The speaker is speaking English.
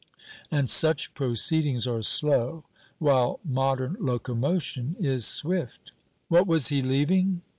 And such proceedings are slow, while modern locomotion is swift. What was he leaving?